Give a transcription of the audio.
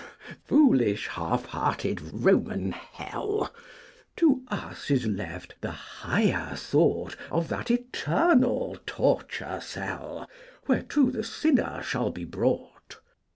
Foolish half hearted Roman hell! To us is left the higher thought Of that eternal torture cell Whereto the sinner shall be brought.